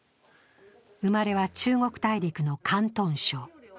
生まれは中国大陸の広東省。